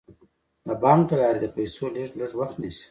د بانک له لارې د پيسو لیږد لږ وخت نیسي.